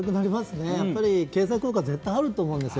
経済効果は絶対あると思うんですよ。